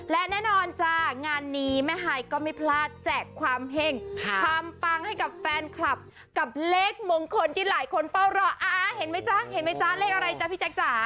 และแน่นอนจ้างานนี้แม่ฮายก็ไม่พลาดแจกความเห็งความปังให้กับแฟนคลับกับเลขมงคลที่หลายคนเฝ้ารออ่าเห็นไหมจ๊ะเห็นไหมจ๊ะเลขอะไรจ๊ะพี่แจ๊คจ๋า